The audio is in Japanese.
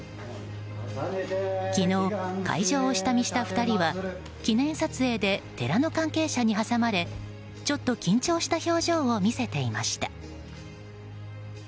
昨日、会場を下見した２人は記念撮影で寺の関係者に挟まれちょっと緊張した表情を見せていました。